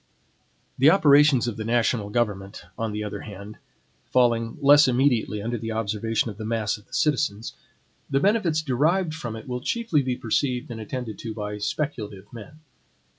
The operations of the national government, on the other hand, falling less immediately under the observation of the mass of the citizens, the benefits derived from it will chiefly be perceived and attended to by speculative men.